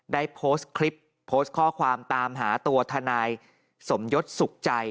ได้โพสต์คลิปโพสต์ข้อความตามหาตัวทนายสมยศสุขใจ